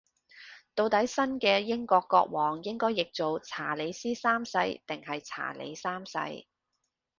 到底新嘅英國國王應該譯做查理斯三世定係查理三世